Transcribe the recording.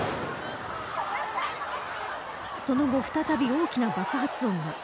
その後、再び大きな爆発音が。